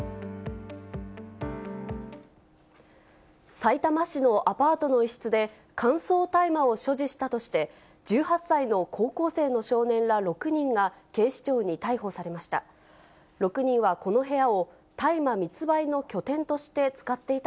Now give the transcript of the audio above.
さいたま市のアパートの一室で、乾燥大麻を所持したとして、１８歳の高校生の少年ら６人が、警視庁に逮捕されました。